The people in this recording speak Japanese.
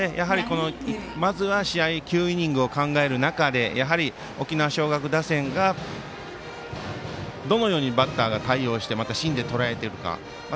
まずは９イニングを考える中で沖縄尚学打線がどのようにバッターが対応して、芯でとらえてるか。